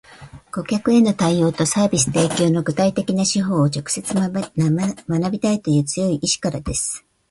顧客への対応とサービス提供の具体的な手法を直接学びたいという強い意志からです